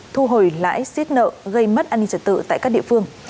thu hồi lãi xiết nợ gây mất an ninh trật tự tại các địa phương